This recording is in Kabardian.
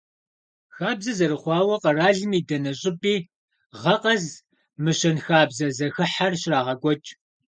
Хабзэ зэрыхъуауэ, къэралым и дэнэ щӀыпӀи гъэ къэс мы щэнхабзэ зэхыхьэр щрагъэкӀуэкӀ.